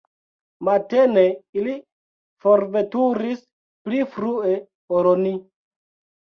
Matene ili forveturis pli frue ol ni.